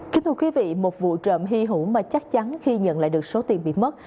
kính thưa quý vị một vụ trộm hy hữu mà chắc chắn khi nhận lại được số tiền bị mất